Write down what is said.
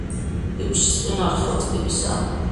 კიბიშის მყინვარი ხეობის ტიპისაა.